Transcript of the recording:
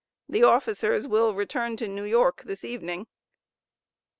The officers will return to New York, this evening.